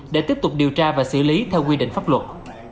để tiếp tục điều tra và xử lý theo quy định pháp luật